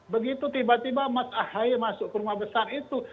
begitu tiba tiba masahaye masuk ke rumah besar itu